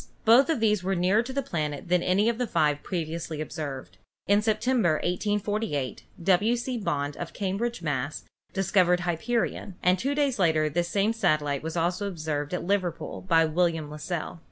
Both of these were nearer to the planet than any of the five previously ob served. In September, 1848, W. C. Bond, of Cambridge, Mass., discovered Hyperion, and two days later this same satellite was also observed at Liverpool by William Las sell.